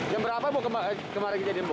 jam berapa bu kemarin kejadian bu